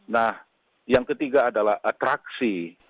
nah yang ketiga adalah atraksi